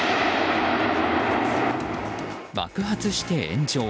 爆発して炎上。